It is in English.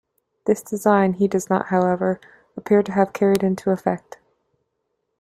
This design he does not, however, appear to have carried into effect.